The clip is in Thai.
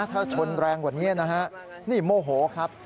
ถ้าชนแรงกว่านี้นะฮะนี่โมโหครับ